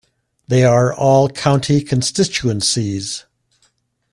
They are all County constituencies.